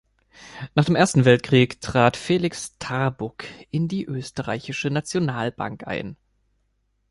Nach dem Ersten Weltkrieg trat Felix Tarbuk in die Oesterreichische Nationalbank ein.